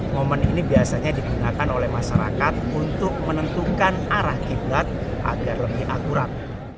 momen ini biasanya digunakan oleh masyarakat untuk menentukan arah qiblat agar lebih akurat